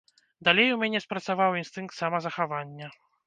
Далей у мяне спрацаваў інстынкт самазахавання.